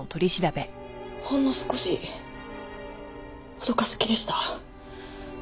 ほんの少し脅かす気でした。